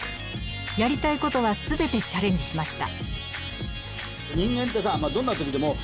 やりたいことは全てチャレンジしました。